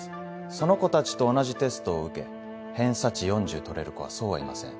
その子たちと同じテストを受け偏差値４０取れる子はそうはいません。